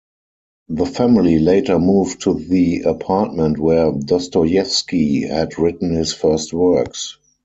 The family later moved to the apartment where Dostoyevsky had written his first works.